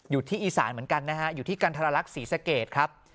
อยู่ที่อีสานเหมือนกันนะฮะอยู่ที่กันทรลักษณ์ศรีสเกตครับ